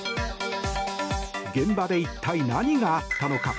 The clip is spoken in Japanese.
現場で一体何があったのか。